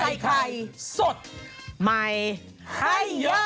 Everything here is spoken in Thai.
ข้าวใส่ไข่สดใหม่ไข่เยอะ